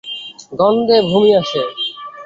গন্ধে বমি আসে।